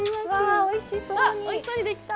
わっおいしそうにできた！